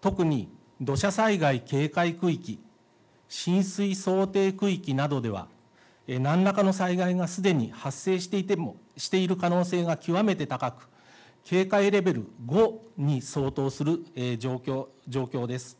特に土砂災害警戒区域、浸水想定区域などでは、なんらかの災害がすでに発生している可能性が極めて高く、警戒レベル５に相当する状況です。